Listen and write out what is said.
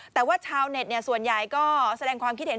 แต่ว่าชาวเน็ตส่วนใหญ่ก็แสดงความคิดเห็น